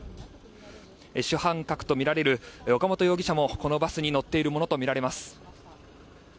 主犯格とみられる岡本容疑者もこのバスに乗っているものとみられます。